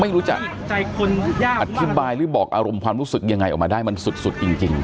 ไม่รู้จะอธิบายหรือบอกอารมณ์ความรู้สึกยังไงออกมาได้มันสุดจริง